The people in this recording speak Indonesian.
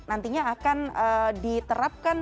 nantinya akan diterapkan